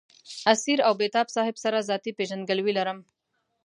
اسیر او بېتاب صاحب سره ذاتي پېژندګلوي لرم.